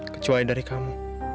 kecuali dari kamu